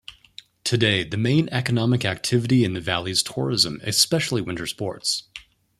Today, the main economic activity in the valley is tourism, especially winter sports.